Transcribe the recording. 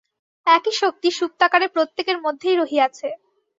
একই শক্তি সুপ্তাকারে প্রত্যেকের মধ্যেই রহিয়াছে।